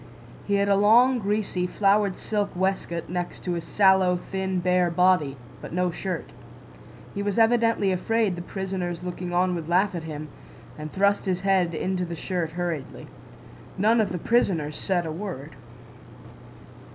He had a long, greasy, flowered silk waistcoat next to his sallow, thin bare body, but no shirt. He was evidently afraid the prisoners looking on would laugh at him, and thrust his head into the shirt hurriedly. None of the prisoners said a word.